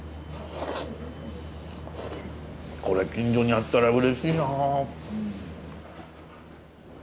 これ近所にあったらうれしいな。